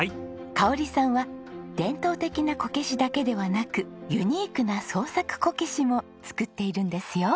香さんは伝統的なこけしだけではなくユニークな創作こけしも作っているんですよ。